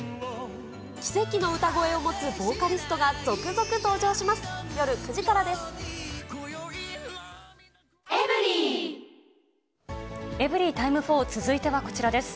奇跡の歌声を持つボーカリストが続々登場します。